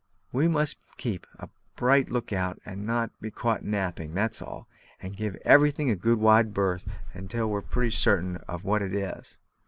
We must keep a bright look out, and not be caught napping, that's all; and give everything a good wide berth till we're pretty certain of what it is."